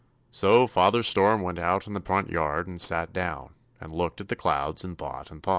So Father Storm went out into the front yard and sat down and looked at the clouds and thought and thought."